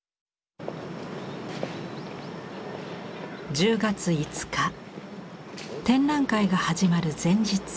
１０月５日展覧会が始まる前日。